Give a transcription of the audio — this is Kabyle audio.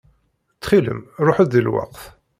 Ttxil-m ṛuḥ-d di lweqt.